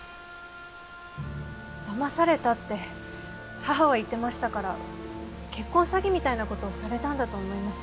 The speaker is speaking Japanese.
騙されたって母は言ってましたから結婚詐欺みたいな事をされたんだと思います。